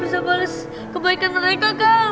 mereka tidak pernah hitung hitungan buat owe kang